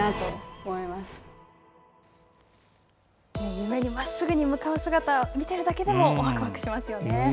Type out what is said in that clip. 夢にまっすぐに向かう姿は見てるだけでもワクワクしますよね。